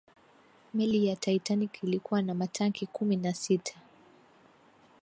meli ya taitanic ilikuwa na matanki kumi na sita